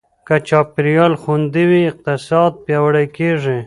که چاپېریال خوندي وي، اقتصاد پیاوړی کېږي.